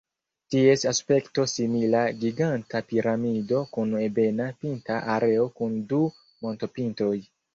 Ties aspekto simila giganta piramido kun ebena pinta areo kun du montopintoj.